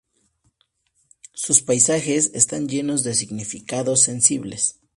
Sus paisajes están llenos de significados sensibles.